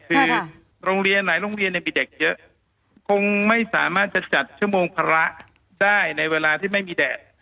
คือโรงเรียนหลายโรงเรียนเนี่ยมีเด็กเยอะคงไม่สามารถจะจัดชั่วโมงพระได้ในเวลาที่ไม่มีแดด